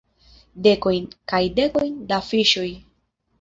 Dekojn kaj dekojn da fiŝoj.